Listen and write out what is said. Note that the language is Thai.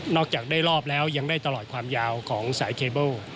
จากได้รอบแล้วยังได้ตลอดความยาวของสายเคเบิ้ล